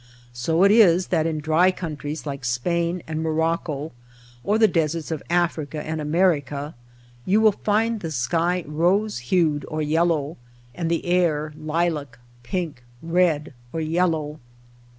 So it is that in dry countries like Spain and Morocco or on the deserts of Africa and America, you will find the sky rose hued or yellow, and the air lilac, pink, red, or yellow.